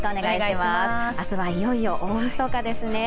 明日は、いよいよ大みそかですね